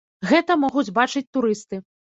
Гэта могуць бачыць турысты.